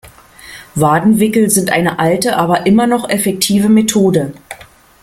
Wadenwickel sind eine alte aber immer noch effektive Methode.